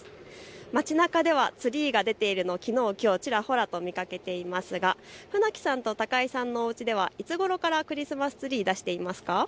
街なかではツリーが出ているのをきょう、きのうとちらほら見かけていますが船木さんと高井さんのおうちではいつごろからクリスマスツリーを出していますか。